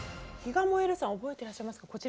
ひがもえるさん覚えてらっしゃいますか。